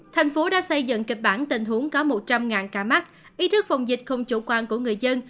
thành phố đã xây dựng kịch bản tình huống có một trăm linh ca mắc ý thức phòng dịch không chủ quan của người dân